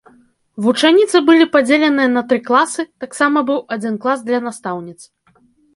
Вучаніцы былі падзеленыя на тры класы, таксама быў адзін клас для настаўніц.